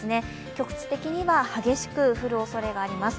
局地的には激しく降るおそれがあります。